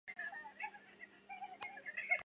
后来法新社证实了以上说法。